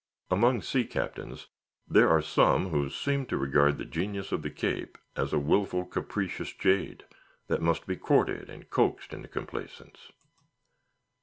Among sea captains, there are some who seem to regard the genius of the Cape as a wilful, capricious jade, that must be courted and coaxed into complaisance.